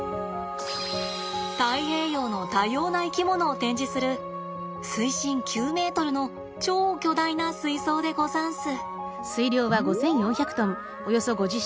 太平洋の多様な生き物を展示する水深９ｍの超巨大な水槽でござんす。